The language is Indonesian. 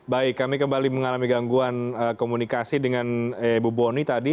baik kami kembali mengalami gangguan komunikasi dengan ibu boni tadi